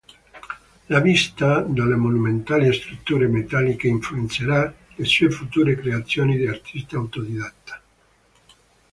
La vista delle monumentali strutture metalliche influenzerà le sue future creazioni di artista autodidatta.